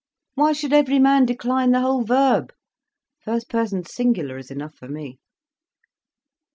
Why should every man decline the whole verb. First person singular is enough for me."